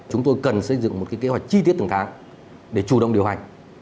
chúng tôi cần xây dựng một kế hoạch chi tiết từng tháng để chủ động điều hành